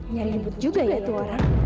nyari liput juga ya itu orang